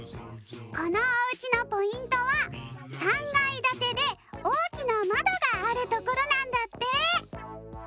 このおうちのポイントは３がいだてでおおきなまどがあるところなんだって！